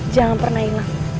jangan pernah hilang